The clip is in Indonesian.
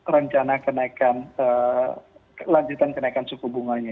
rencana kenaikan lanjutan kenaikan suku bunganya